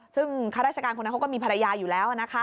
ซึ่งข้าราชการคนนั้นเขาก็มีภรรยาอยู่แล้วนะคะ